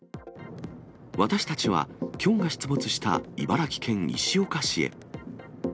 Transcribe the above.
私たちは、キョンが出没した茨城県石岡市へ。